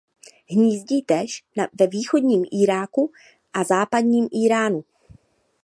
Hnízdí též ve východním Iráku a západním Íránu.